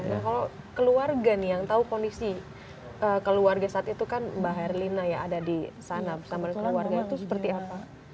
nah kalau keluarga nih yang tahu kondisi keluarga saat itu kan mbak herlina ya ada di sana bersama keluarga itu seperti apa